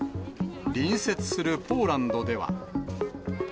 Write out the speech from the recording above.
隣接するポーランドでは。